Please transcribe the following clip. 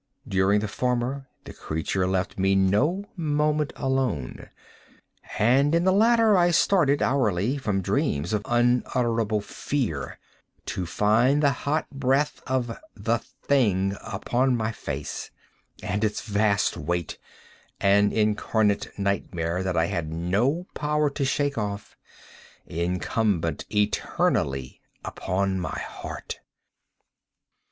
During the former the creature left me no moment alone, and in the latter I started hourly from dreams of unutterable fear to find the hot breath of the thing upon my face, and its vast weight—an incarnate nightmare that I had no power to shake off—incumbent eternally upon my _heart!